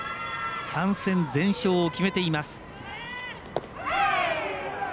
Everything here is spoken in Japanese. ３戦全勝を決めています。